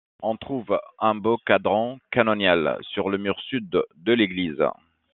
On trouve un beau cadran canonial sur le mur sud de l'église.